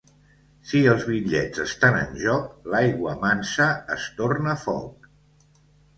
Si els bitllets estan en joc, l'aigua mansa es torna foc.